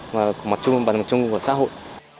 mà mặt trung và mặt trung của xã hội